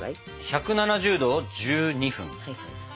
１７０℃１２分。